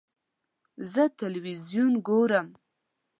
زه تلویزیون ګورم.